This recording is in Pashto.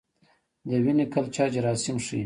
د وینې کلچر جراثیم ښيي.